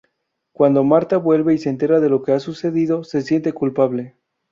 Cuando Marta vuelve y se entera de lo que ha sucedido, se siente culpable.